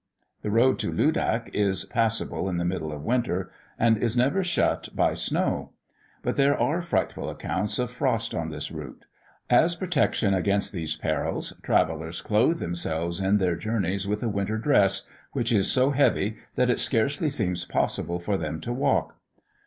The road to Ludak is passable in the middle of winter, and is never shut by snow; but there are frightful accounts of frosts on this route. As protection against these perils, travellers clothe themselves in their journeys with a winter dress, which is so heavy that it scarcely seems possible for them to walk.